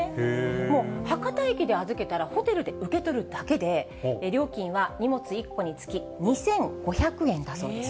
もう博多駅で預けたら、ホテルで受け取るだけで、料金は荷物１個につき２５００円だそうです。